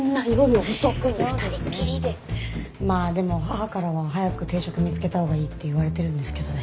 まあでも母からは早く定職見つけたほうがいいって言われてるんですけどね。